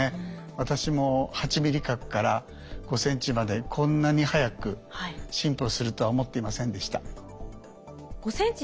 私も８ミリ角から５ｃｍまでこんなに早く進歩するとは思っていませんでした。